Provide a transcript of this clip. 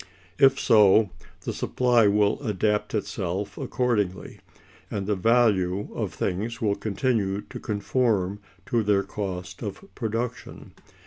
If so, the supply will adapt itself accordingly, and the values of things will continue to conform to their cost of production.